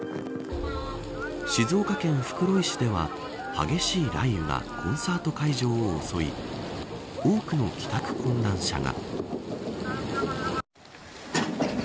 静岡県袋井市では激しい雷雨がコンサート会場を襲い多くの帰宅困難者が。